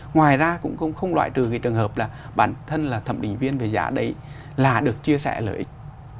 ngoài ra cũng không loại trừ cái trường hợp là bản thân là thẩm định viên về giá đấy là được chia sẻ lợi ích